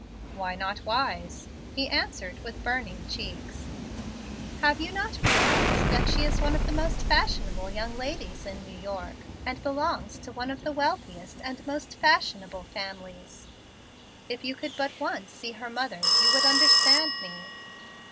"Why not wise?" he answered with burning cheeks. "Have you not realized that she is one of the most fashionable young ladies in New York, and belongs to one of the wealthiest and most fashionable families? If you could but once see her mother you would understand me."